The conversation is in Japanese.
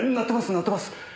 鳴ってます！